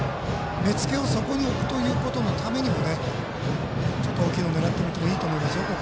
目付けをそこに置くということのためにもちょっと大きいのを狙ってみてもいいと思いますよ。